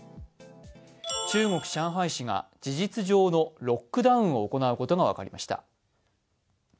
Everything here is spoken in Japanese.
中国・上海市が事実上のロックダウンを行うことが分かりました。